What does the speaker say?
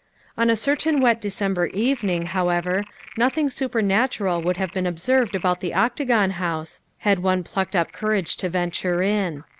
On a certain wet December evening, however, nothing supernatural would have been observed about the Octa gon House had one plucked up courage to venture in.